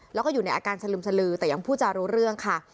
แล้วก็อยู่ในอาการสลึมสลือแต่ยังพูดจารู้เรื่องค่ะ